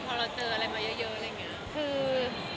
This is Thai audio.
พอเราเจออะไรมาเยอะอะไรอย่างนี้คือ